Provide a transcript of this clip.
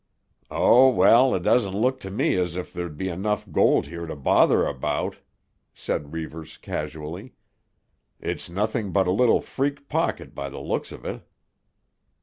"Oh, well, it doesn't look to me as if there'd be enough gold here to bother about," said Reivers casually. "It's nothing but a little freak pocket by the looks of it."